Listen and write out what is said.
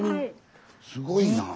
すごいなあ。